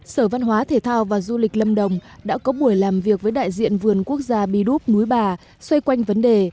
sở văn hóa thể thao và du lịch lâm đồng đã có buổi làm việc với đại diện vườn quốc gia bi đúc núi bà xoay quanh vấn đề